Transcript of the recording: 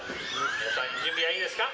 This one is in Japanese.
皆さん準備はいいですか？